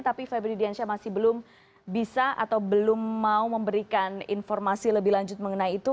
tapi febri diansyah masih belum bisa atau belum mau memberikan informasi lebih lanjut mengenai itu